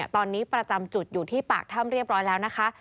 ตอนนี้ประจำจุดอยู่ที่ปากถ้ำเรียบร้อยแล้วนะคะ